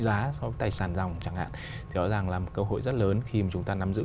với những cơ hội rất lớn khi mà chúng ta nắm giữ